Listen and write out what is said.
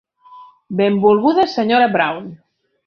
Benvolguda Sra. Brown.